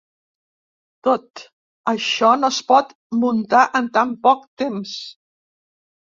Tot això no es pot muntar en tan poc temps.